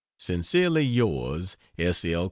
Sincerely Yours, S. L.